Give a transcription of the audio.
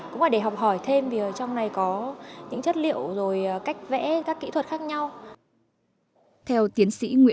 cũng là để học hỏi thêm vì ở trong này có những chất liệu rồi cách vẽ các kỹ thuật khác nhau